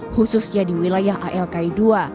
khususnya di wilayah alki dua